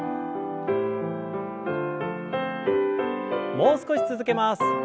もう少し続けます。